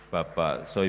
bapak soekarno putri